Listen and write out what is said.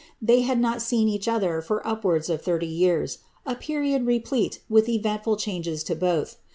ley had not seen each other for upwards of thirty years, a period re »te with eventful changes to both.